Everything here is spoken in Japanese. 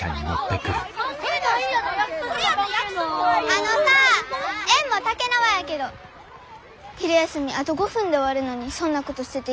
あのさ宴もたけなわやけど昼休みあと５分で終わるのにそんなことしてていいん？